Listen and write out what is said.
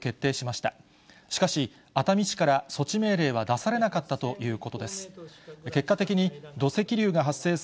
しかし熱海市から、措置命令は出されなかったということです。